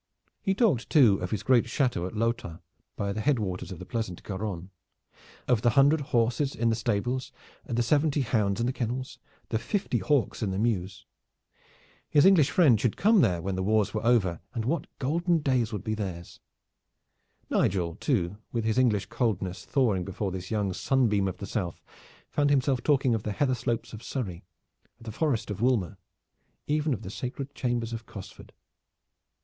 He talked too of his great chateau at Lauta, by the head waters of the pleasant Garonne; of the hundred horses in the stables, the seventy hounds in the kennels, the fifty hawks in the mews. His English friend should come there when the wars were over, and what golden days would be theirs! Nigel too, with his English coldness thawing before this young sunbeam of the South, found himself talking of the heather slopes of Surrey, of the forest of Woolmer, even of the sacred chambers of Cosford.